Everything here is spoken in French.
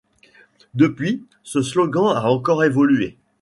Depuis, ce slogan a encore évolué.